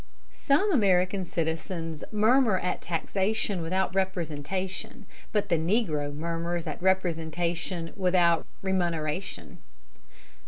Some American citizens murmur at taxation without representation, but the negro murmurs at representation without remuneration.